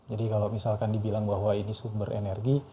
jadi kalau misalkan dibilang bahwa ini sumber energi